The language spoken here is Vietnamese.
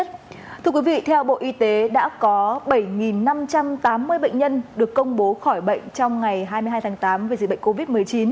thưa quý vị theo bộ y tế đã có bảy năm trăm tám mươi bệnh nhân được công bố khỏi bệnh trong ngày hai mươi hai tháng tám về dịch bệnh covid một mươi chín